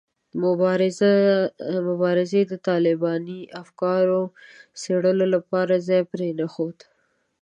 مبارزې د طالباني افکارو څېړلو لپاره ځای پرې نه ښود.